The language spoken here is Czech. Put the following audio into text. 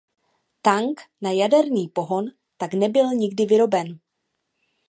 Tank na jaderný pohon tak nebyl nikdy vyroben.